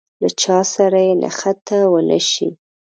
له چا سره يې نښته ونه شي.